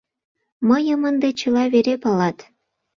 Мыйым ынде чыла вере палат!